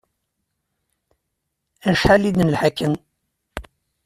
Acḥal i d-nelḥa akken.